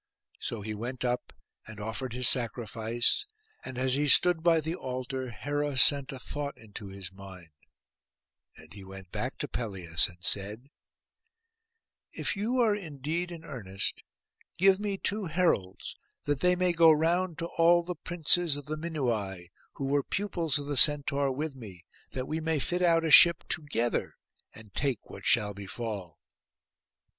So he went up, and offered his sacrifice; and as he stood by the altar Hera sent a thought into his mind; and he went back to Pelias, and said— 'If you are indeed in earnest, give me two heralds, that they may go round to all the princes of the Minuai, who were pupils of the Centaur with me, that we may fit out a ship together, and take what shall befall.